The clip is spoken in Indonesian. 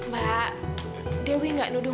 di atas tete pindahkan siang